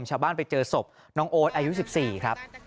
ชาวบ้านไปเจอศพน้องโอ๊ตอายุ๑๔ครับ